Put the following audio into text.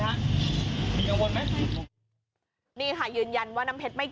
อันนี้ไม่รู้ครับวันนี้ผมยังไม่รู้